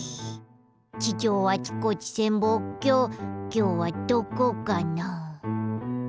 地上あちこち潜望鏡きょうはどこかな？